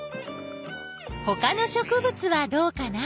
ほかの植物はどうかな？